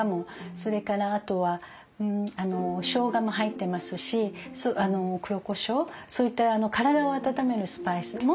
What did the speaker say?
それからあとはしょうがも入ってますし黒こしょうそういった体を温めるスパイス。